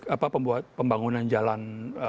apa pembuat pembangunan jalan